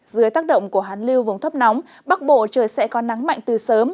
dưới tác động của hán lưu vùng thấp nóng bắc bộ trời sẽ có nắng mạnh từ sớm